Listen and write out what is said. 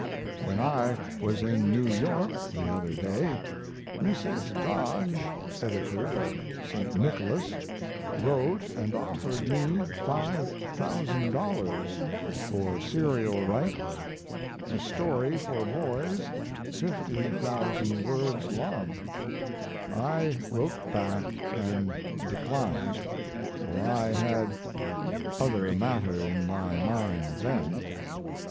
When I was in New York the other day Mrs. Dodge, editor of St. Nicholas, wrote and offered me $5,000 for (serial right) a story for boys 50,000 words long. I wrote back and declined, for I had other matter in my mind then.